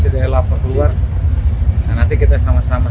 tapi untuk kegiatan hari ini gimana bang